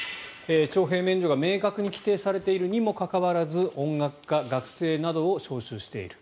徴兵免除が明確に規定されているにもかかわらず音楽家、学生などを招集している。